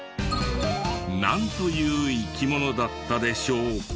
なんという生き物だったでしょうか？